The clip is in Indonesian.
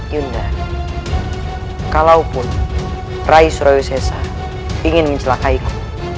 yunda kalaupun rai surausesa ingin mencelakaiku